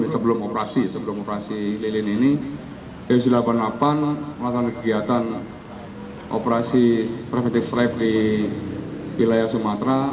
sebelum operasi sebelum operasi lilin ini densus delapan puluh delapan melaksanakan kegiatan operasi premitive stripe di wilayah sumatera